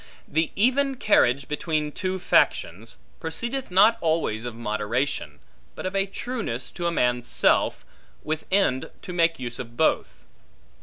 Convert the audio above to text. The even carriage between two factions, proceedeth not always of moderation, but of a trueness to a man's self, with end to make use of both.